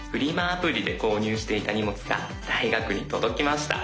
アプリで購入していた荷物が大学に届きました。